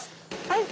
はい！